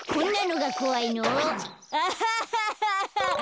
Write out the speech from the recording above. アハハハハ！